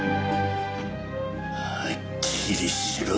はっきりしろよ。